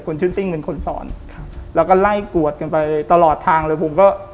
ชื่อซิ่งเป็นคนสอนครับแล้วก็ไล่กวดกันไปตลอดทางเลยผมก็